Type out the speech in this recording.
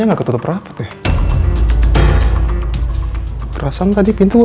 aduh rafael juga